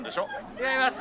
違います。